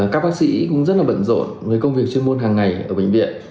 các bác sĩ cũng rất là bận rộn với công việc chuyên môn hàng ngày ở bệnh viện